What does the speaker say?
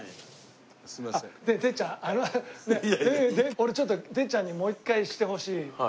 俺ちょっとてっちゃんにもう一回してほしい。